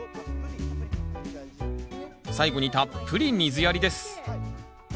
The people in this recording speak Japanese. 最後にたっぷり水やりです